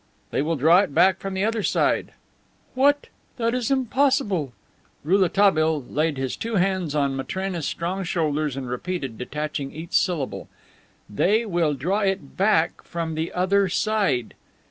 "They will draw it back from the other side." "What! That is impossible." Rouletabille laid his two hands on Matrena's strong shoulders and repeated, detaching each syllable, "They will draw it back from the other side."